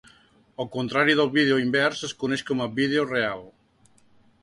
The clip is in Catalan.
El contrari del vídeo invers es coneix com a "vídeo real".